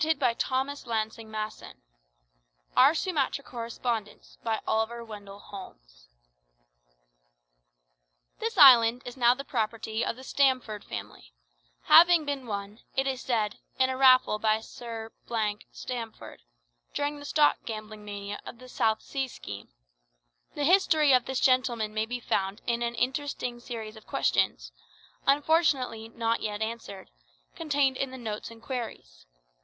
Ah, this is it; it is headed "OUR SUMATRA CORRESPONDENCE "This island is now the property of the Stamford family having been won, it is said, in a raffle by Sir Stamford, during the stock gambling mania of the South Sea scheme. The history of this gentleman may be found in an interesting series of questions (unfortunately not yet answered) contained in the 'Notes and Queries.'